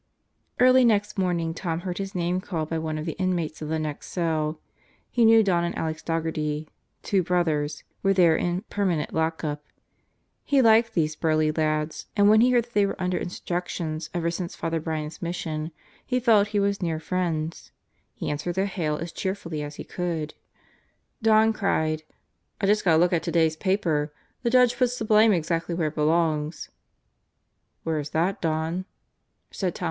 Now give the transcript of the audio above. ... Early next morning Tom heard his name called by one of the inmates of the next cell. He knew Don and Alex Daugherty, two brothers, were there in "permanent lockup." He liked these burly lads, and when he heard that they were under instructions ever since Father Brian's Mission, he felt he was near friends. He answered their hail as cheerfully as he could. 184 God Goes to Murderers Row Don cried: "I just got a look at today's paper. The Judge puts the blame exactly where it belongs." "Where's that, Don?"